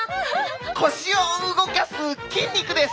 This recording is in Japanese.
腰を動かす筋肉です！